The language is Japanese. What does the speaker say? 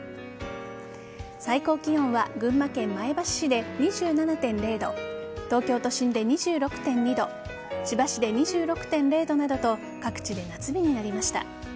最高気温は群馬県前橋市で２７．０度東京都心で２６．２度千葉市で２６．０度などと各地で夏日になりました。